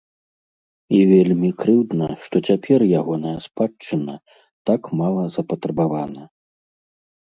І вельмі крыўдна, што цяпер ягоная спадчына так мала запатрабавана.